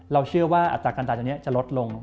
เราเชื่อว่าอัตราการต่างจากนี้จะลดลง